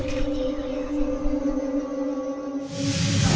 kak kak itu kak